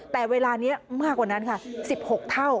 แต่เวลานี้มากกว่านั้นค่ะ๑๖เท่า